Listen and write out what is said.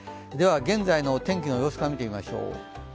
現在の天気の様子から見てみましょう。